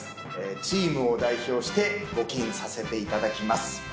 チームを代表して、募金させていただきます。